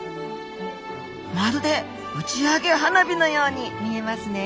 まるで打ち上げ花火のように見えますね